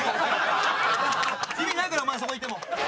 意味ないからお前そこにいても。